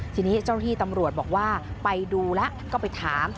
ทีนี้เจ้าที่ตำรวจบอกว่าไปดูแล้วก็ไปถาม